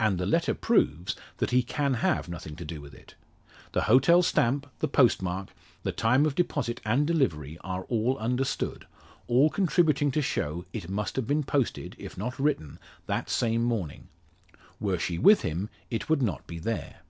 And the letter proves that he can have nothing to do with it. The hotel stamp, the postmark, the time of deposit and delivery are all understood, all contributing to show it must have been posted, if not written, that same morning. Were she with him it would not be there.